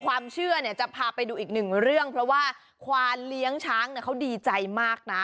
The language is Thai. ความเชื่อเนี่ยจะพาไปดูอีกหนึ่งเรื่องเพราะว่าควานเลี้ยงช้างเนี่ยเขาดีใจมากนะ